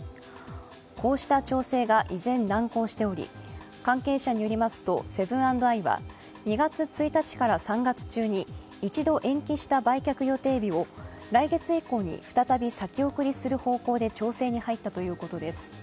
こうした調整が依然、難航しており、関係者によりますとセブン＆アイは２月１日から３月中に一度延期した売却予定日を来月以降に再び先送りする方向で調整に入ったということです。